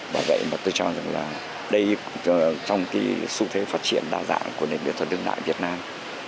vì vậy tôi cho rằng trong su thế phát triển đa dạng của nền biệt thuật đương đại việt nam